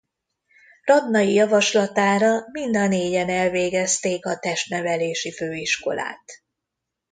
Radnai javaslatára mind a négyen elvégezték a Testnevelési Főiskolát.